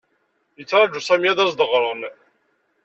Yettaṛaju Smi ad as-d-ɣren.